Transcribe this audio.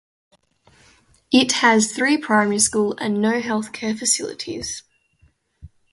It has three primary school and no healthcare facilities.